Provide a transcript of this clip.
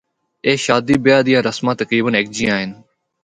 اے شادی بیاہ دیاں رسماں تقریبا ہک جیاں ہن۔